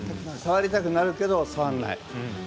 触りたくなるけど触らない。